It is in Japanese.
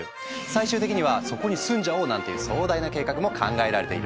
最終的には「そこに住んじゃおう」なんていう壮大な計画も考えられているんだ。